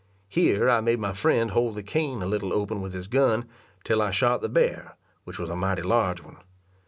Here I made my friend hold the cane a little open with his gun till I shot the bear, which was a mighty large one.